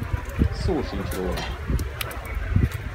Szó sincs róla!